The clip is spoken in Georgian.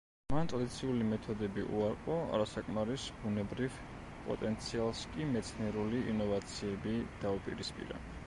მან ტრადიციული მეთოდები უარყო, არასაკმარის ბუნებრივ პოტენციალს კი მეცნიერული ინოვაციები დაუპირისპირა.